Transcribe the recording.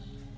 pak pak pak